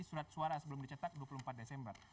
surat suara sebelum dicetak dua puluh empat desember